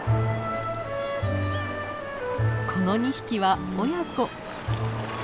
この２匹は親子。